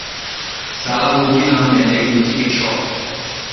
সালাহ উদ্দিন আহমেদ একজন চিকিৎসক।